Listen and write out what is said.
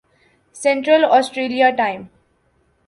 central Australia time